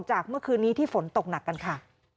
เมื่อคืนนี้ที่ฝนตกหนักกันค่ะ